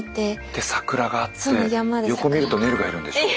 で桜があって横見るとねるがいるんでしょう。